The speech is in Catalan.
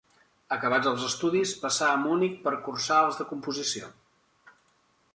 Acabats els estudis, passà a Munic per cursar els de composició.